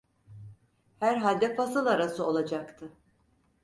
Herhalde fasıl arası olacaktı.